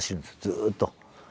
ずっと。